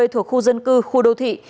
thuộc khu dân cư khu đô thị